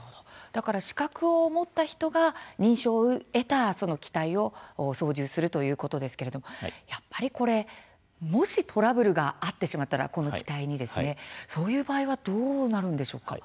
資格を持った人が認証を得た機体を操縦するということですけれども、やっぱりもしトラブルがあってしまったらこの機体にですね、そういう場合はどうなるんですか。